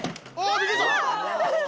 びっくりした。